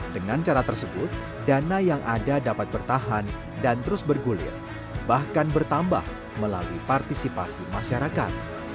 dengan cara tersebut dana yang ada dapat bertahan dan terus bergulir bahkan bertambah melalui partisipasi masyarakat